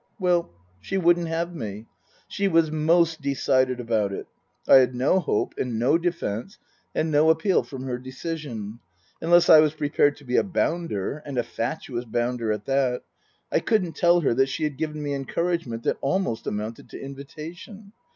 Well she wouldn't have me. She was most decided about it. I had no hope and no defence and no appeal from her decision. Unless I was prepared to be a bounder and a fatuous bounder at that I couldn't tell her that she had given me encouragement that almost amounted to invitation.